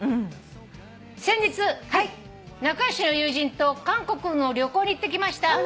「先日仲良しの友人と韓国の旅行に行ってきました」